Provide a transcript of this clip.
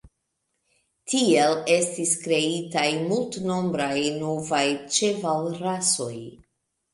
Tiel estis kreitaj multnombraj novaj ĉevalrasoj.